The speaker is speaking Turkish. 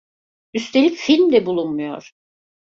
Üstelik film de bulunmuyor.